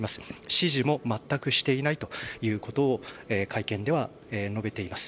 指示も全くしないということを会見では述べています。